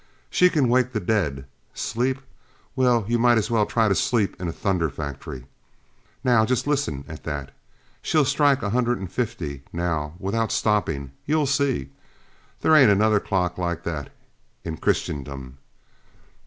She can wake the dead! Sleep? Why you might as well try to sleep in a thunder factory. Now just listen at that. She'll strike a hundred and fifty, now, without stopping, you'll see. There ain't another clock like that in Christendom."